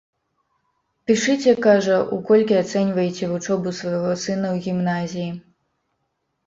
Пішыце, кажа, у колькі ацэньвайце вучобу свайго сына ў гімназіі.